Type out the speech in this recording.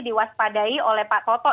diwaspadai oleh pak toto